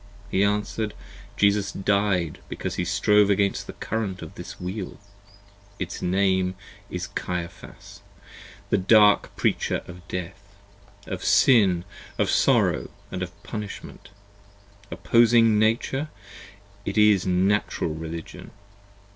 He answer'd : Jesus died because he strove Against the current of this Wheel: its Name Is Caiaphas, the dark Preacher of Death, 60 Of sin, of sorrow, & of punishment: Opposing Nature! It is Natural Religion.